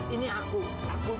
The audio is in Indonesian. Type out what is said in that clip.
ingat aku kan